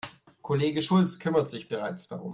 Kollege Schulz kümmert sich bereits darum.